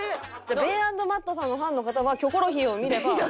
ベン＆マットさんのファンの方は『キョコロヒー』を見れば。